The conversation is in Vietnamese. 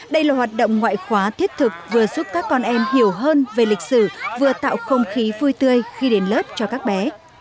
đây là hoạt động ngoại khóa thiết thực vừa giúp các con em hiểu hơn về lịch sử vừa tạo không khí vui tươi khi đến lớp cho các bé